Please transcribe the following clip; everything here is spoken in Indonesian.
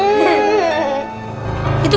itu kamu pegang apa tuh